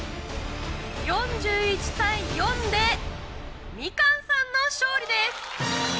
４１対４でみかんさんの勝利です。